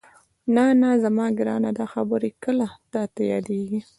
نه نه زما ګرانه دا خبرې کله تاته یادېږي؟